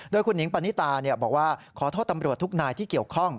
โดยคุณหิงปณิตาบอกว่าขอโทษตำรวจทุกนายที่เกี่ยวข้อง